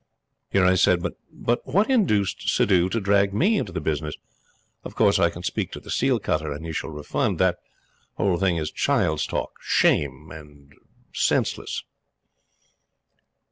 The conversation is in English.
Here I said: "But what induced Suddhoo to drag me into the business? Of course I can speak to the seal cutter, and he shall refund. The whole thing is child's talk shame and senseless."